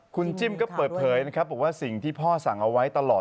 คุณจิ้มก็เปิดเผยนะครับบอกว่าสิ่งที่พ่อสั่งเอาไว้ตลอด